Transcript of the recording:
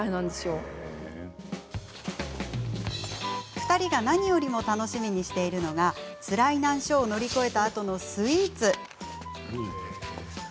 ２人が何よりも楽しみにしているのがつらい難所を乗り越えたあとのスイーツ。